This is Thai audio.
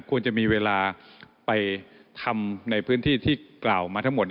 ควรจะมีเวลาไปทำในพื้นที่ที่กล่าวมาทั้งหมด